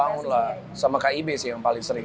dibangun lah sama kib sih yang paling sering